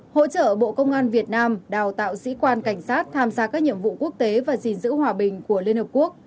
hỗ trợ bộ công an việt nam đào tạo sĩ quan cảnh sát tham gia các nhiệm vụ quốc tế và gìn giữ hòa bình của liên hợp quốc